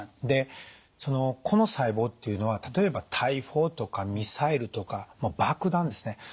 でそのこの細胞っていうのは例えば大砲とかミサイルとか爆弾ですね